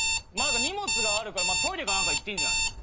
荷物があるからトイレか何か行ってんじゃないの？